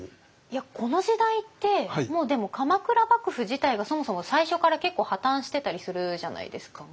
いやこの時代ってもうでも鎌倉幕府自体がそもそも最初から結構破綻してたりするじゃないですかずるずると。